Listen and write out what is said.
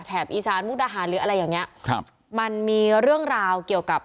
อีสานมุกดาหารหรืออะไรอย่างเงี้ยครับมันมีเรื่องราวเกี่ยวกับ